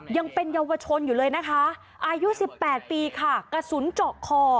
ยังเป็นเยาวชนอยู่เลยนะคะอายุ๑๘ปีค่ะกระสุนเจาะคอ